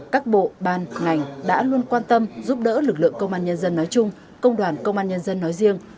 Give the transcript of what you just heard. các bộ ban ngành đã luôn quan tâm giúp đỡ lực lượng công an nhân dân nói chung công đoàn công an nhân dân nói riêng